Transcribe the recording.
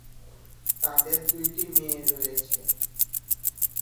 তাদের দুইটি মেয়ে রয়েছে।